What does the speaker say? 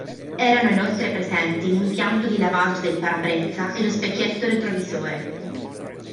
Erano inoltre presenti l'impianto di lavaggio del parabrezza e lo specchietto retrovisore.